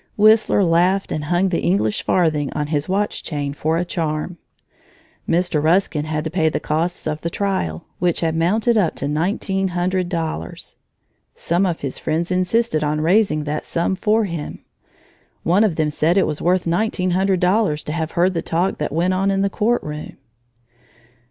Whistler laughed and hung the English farthing on his watch chain for a charm. Mr. Ruskin had to pay the costs of the trial, which had mounted up to nineteen hundred dollars. Some of his friends insisted on raising that sum for him. One of them said it was worth nineteen hundred dollars to have heard the talk that went on in the court room.